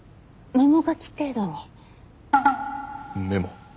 メモ。